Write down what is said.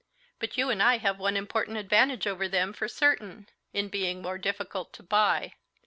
But you and I have one important advantage over them for certain, in being more difficult to buy.